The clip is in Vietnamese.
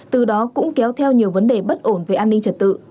từ đó cũng kéo theo nhiều vấn đề bất ổn về an ninh trật tự